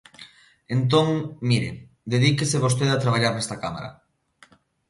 Entón, mire, dedíquese vostede a traballar nesta Cámara.